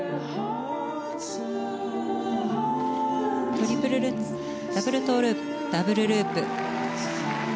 トリプルルッツダブルトウループダブルループ。